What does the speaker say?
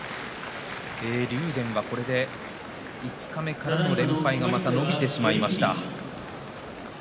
竜電はこれで五日目からの連敗がまた伸びてしまいました。